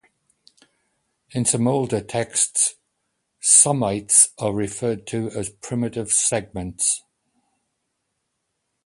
In some older texts, somites are referred to as primitive segments.